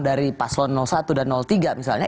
dari paslon satu dan tiga misalnya